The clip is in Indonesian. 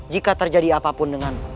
jika terjadi apapun